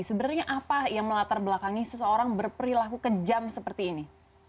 sebenarnya apa yang melatar belakangi seseorang berperilaku kejam seperti ini